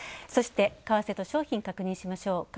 そして為替と商品確認しましょう。